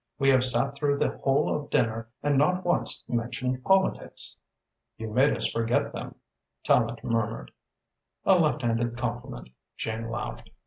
"We have sat through the whole of dinner and not once mentioned politics." "You made us forget them," Tallente murmured. "A left handed compliment," Jane laughed.